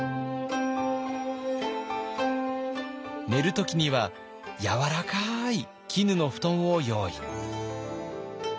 寝る時にはやわらかい絹の布団を用意。